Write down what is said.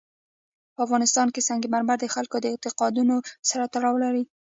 په افغانستان کې سنگ مرمر د خلکو د اعتقاداتو سره تړاو لري.